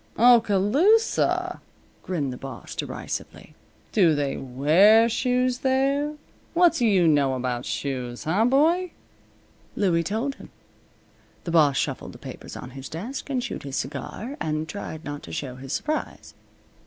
"Oskaloosa!" grinned the boss, derisively. "Do they wear shoes there? What do you know about shoes, huh boy?" Louie told him. The boss shuffled the papers on his desk, and chewed his cigar, and tried not to show his surprise.